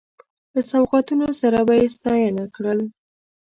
له سوغاتونو سره به یې ستانه کړل.